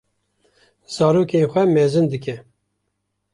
zarokên xwe mezin dike.